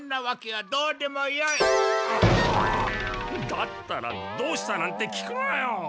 だったら「どうした？」なんて聞くなよ！